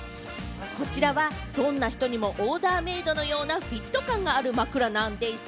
こちらは、どんな人にもオーダーメイドのようなフィット感がある枕なんでぃす。